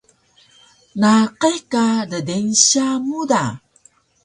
naqih ka ddeynsya mu da